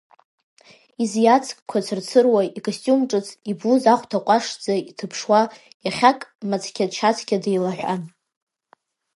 Изиацкқәа цырцыруа, икастиум ҿыц, иблуз ахәда ҟәашӡа иҭыԥшуа, иахьак мацқьа-шьацқьа деилаҳәан.